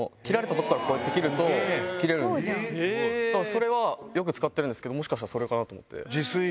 それはよく使ってるんでもしかしたらそれかなと思って。